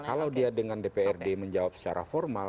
kalau dia dengan dprd menjawab secara formal